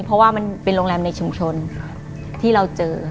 เพราะว่ามันเป็นโรงแรมในชุมชนที่เราเจอ